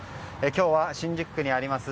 今日は、新宿区にあります